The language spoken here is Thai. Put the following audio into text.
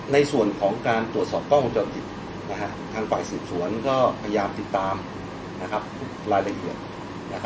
ในส่วนของการตรวจสอบกล้องจอดติดทางฝ่ายสืบสวนก็พยายามติดตามรายละเอียด